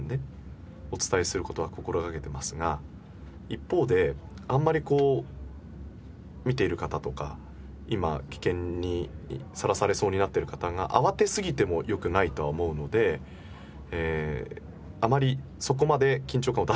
一方であんまりこう見ている方とか今危険にさらされそうになっている方が慌てすぎても良くないとは思うのであまりそこまで。